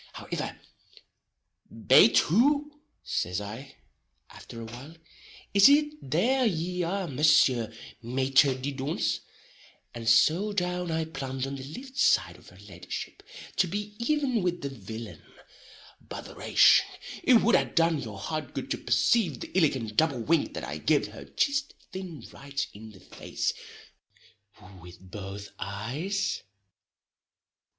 Howiver, "Bait who!" says I, after awhile. "Is it there ye are, Mounseer Maiter di dauns?" and so down I plumped on the lift side of her leddyship, to be aven with the willain. Botheration! it wud ha done your heart good to percave the illigant double wink that I gived her jist thin right in the face with both eyes.